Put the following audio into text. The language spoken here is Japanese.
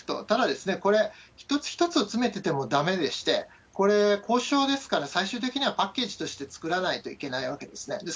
ただ、これ、一つ一つ詰めててもだめでして、これ、交渉ですから、最終的にはパッケージとして作らないといけないわけですね。